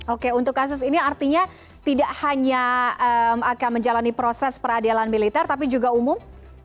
oke untuk kasus ini artinya tidak hanya akan menjalani proses peradilan militer tapi juga umum